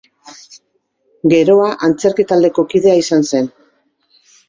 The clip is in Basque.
Geroa antzerki taldeko kidea izan zen.